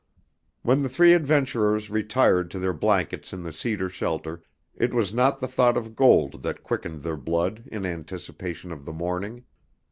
When the three adventurers retired to their blankets in the cedar shelter it was not the thought of gold that quickened their blood in anticipation of the morning.